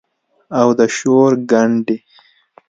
او د شور ګنډي